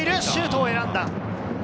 シュートを選んだ。